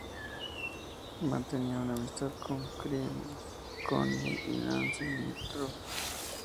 Mantenía una amistad con Cyril Connolly y Nancy Mitford.